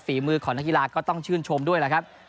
ฝีมือของนักกีฬาก็ต้องชื่นชมด้วยล่ะครับ